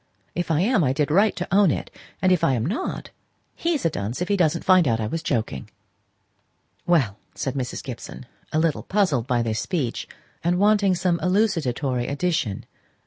If I am, I did right to own it; if I am not, he's a dunce if he doesn't find out I was joking." "Well," said Mrs. Gibson, a little puzzled by this speech, and wanting some elucidatory addition.